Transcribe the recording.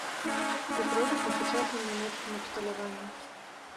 Іх робяць на сучасным нямецкім абсталяванні.